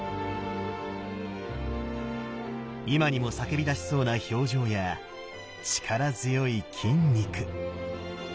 今にも叫びだしそうな表情や力強い筋肉。